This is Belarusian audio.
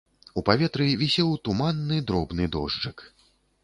У паветры вісеў туманны, дробны дожджык.